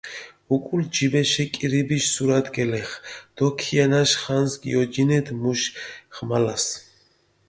უკულ ჯიბეშე კირიბიშ სურათი გელეღჷ დო ქიანაშ ხანს გიოჯინედჷ მუშ ღმალას.